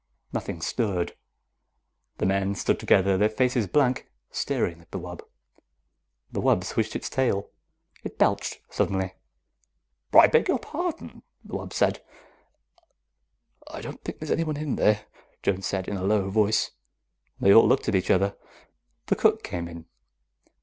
Nothing stirred. The men stood together, their faces blank, staring at the wub. The wub swished its tail. It belched suddenly. "I beg your pardon," the wub said. "I don't think there's anyone in there," Jones said in a low voice. They all looked at each other. The cook came in.